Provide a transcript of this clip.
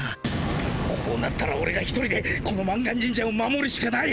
こうなったらオレが一人でこの満願神社を守るしかない！